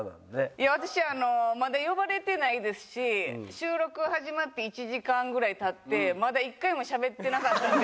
いや私あのまだ呼ばれてないですし収録始まって１時間ぐらい経ってまだ一回もしゃべってなかったんで。